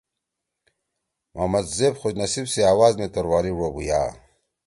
محمد زیب خوش نصیب سی آواز توورالی ڙو بُھویا۔